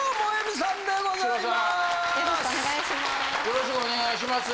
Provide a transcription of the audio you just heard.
よろしくお願いします。